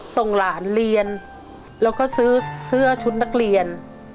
ส่งหลานเรียนแล้วก็ซื้อเสื้อชุดนักเรียน